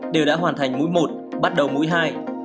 đều đã hoàn thành mũi một bắt đầu mũi hai